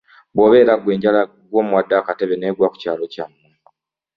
Bw’obeera ggwe enjala ggwomuwadde akatebe n’egwa ku kyalo kyammwe.